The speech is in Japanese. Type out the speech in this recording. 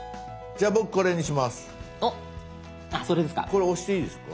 これ押していいですか？